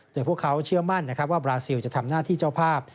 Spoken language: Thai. โดยพวกเขาเชื่อมั่นนะครับว่าบราซิลจะทำหน้าที่เจ้าภาพ